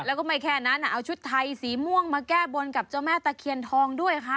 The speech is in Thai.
แล้วก็ไม่แค่นั้นเอาชุดไทยสีม่วงมาแก้บนกับเจ้าแม่ตะเคียนทองด้วยค่ะ